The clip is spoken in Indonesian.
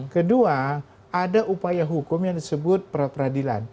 kedua ada upaya hukum yang disebut peradilan